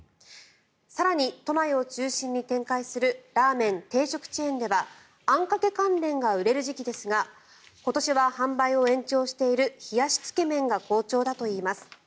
更に都内を中心に展開するラーメン・定食チェーンではあんかけ関連が売れる時期ですが今年は、販売を延長している冷やしつけ麺が好調だといいます。